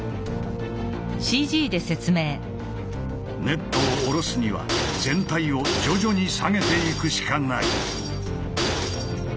ネットを下ろすには全体を徐々に下げていくしかない。